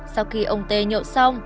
sau khi ông t nhậu xong